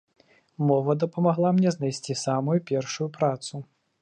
Мова дапамагла мне знайсці самую першую працу.